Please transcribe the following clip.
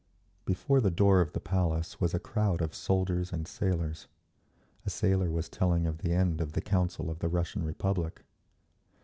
Before the door of the Palace was a crowd of soldiers and sailors. A sailor was telling of the end of the Council of the Russian Republic.